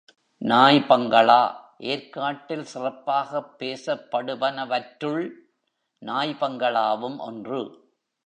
நாய் பங்களா ஏர்க் காட்டில் சிறப்பாகப் பேசப் படுவனவற்லுள் நாய் பங்களாவும் ஒன்று.